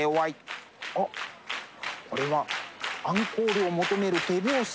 あっこれはアンコールを求める手拍子。